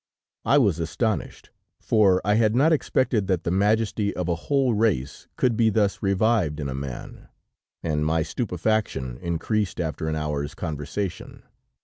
"I was astonished, for I had not expected that the majesty of a whole race, could be thus revived in a man, and my stupefaction increased after an hour's conversation.